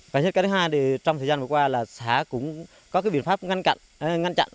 cái thứ hai thì trong thời gian vừa qua là xã cũng có cái biện pháp ngăn chặn